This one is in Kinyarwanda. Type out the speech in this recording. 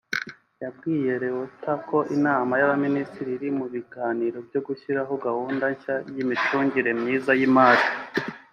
yabwiye Reuters ko inama y’Abaminisitiri iri mu biganiro byo gushyiraho gahunda nshya y’imicungire myiza y’imari